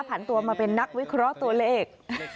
ผ่านตัวมาเป็นนักวิเคราะห์ตัวเลข